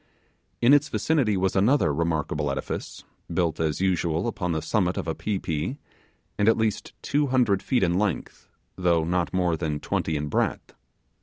In its vicinity was another remarkable edifice, built as usual upon the summit of a pi pi, and at least two hundred feet in length, though not more than twenty in breadth.